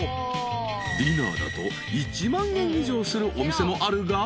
［ディナーだと１万円以上するお店もあるが］